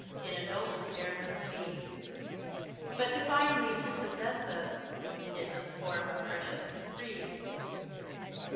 In a noble Pair must be; But divinely to possess us, It must form a precious Three.